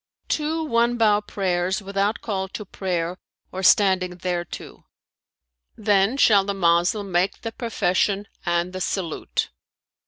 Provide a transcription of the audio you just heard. "Two one bow prayers without call to prayer or standing thereto; then shall the Moslem make the profession and salute.